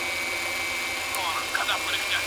زه اوس چپنه پاکوم!